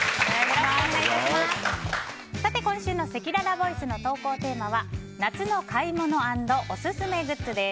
今週のせきららボイスの投稿テーマは夏の買い物＆オススメグッズです。